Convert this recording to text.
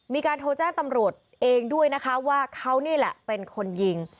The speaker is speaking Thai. มีการโทรแจ้งตำรวจเองด้วยนะคะว่าเขานี่แหละเป็นคนยิง